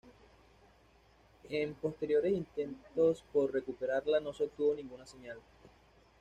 En posteriores intentos por recuperarla no se obtuvo ninguna señal.